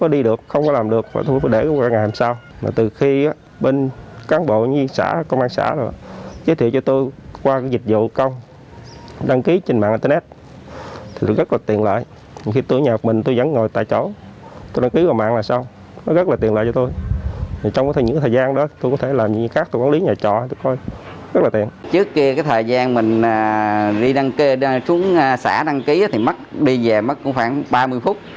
trước kia thời gian mình đi đăng ký xuống xã đăng ký thì đi về mất khoảng ba mươi phút